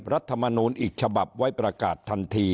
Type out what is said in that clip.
รัฐมนูลอีกฉบับไว้ประกาศทันที